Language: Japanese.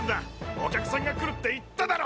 お客さんが来るって言っただろ！